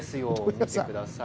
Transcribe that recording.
見てください。